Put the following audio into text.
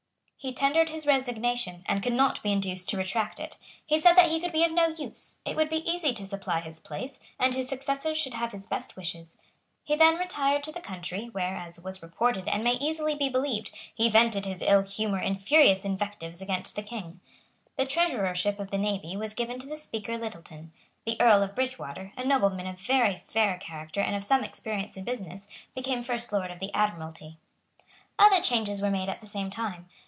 He tendered his resignation, and could not be induced to retract it. He said that he could be of no use. It would be easy to supply his place; and his successors should have his best wishes. He then retired to the country, where, as was reported and may easily be believed, he vented his ill humour in furious invectives against the King. The Treasurership of the Navy was given to the Speaker Littleton. The Earl of Bridgewater, a nobleman of very fair character and of some experience in business, became First Lord of the Admiralty. Other changes were made at the same time.